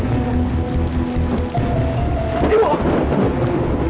gak ada apa apa bu